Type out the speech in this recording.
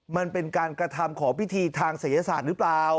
มันเป็นการกระทำของพิธีทางศัยศาสตร์หรือเปล่า